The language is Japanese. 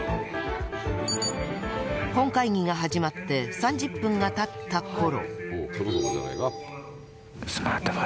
本会議が始まって３０分が経ったころ。